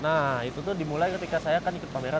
nah itu dimulai ketika saya ikut pameran